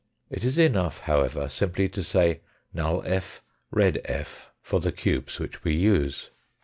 It is enough, however, simply to say null f., red f. for the cubes which we use.